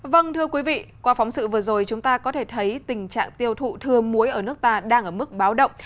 vâng thưa quý vị qua phóng sự vừa rồi chúng ta có thể thấy tình trạng tiêu thụ thừa muối ở nước ta đang ở mức báo động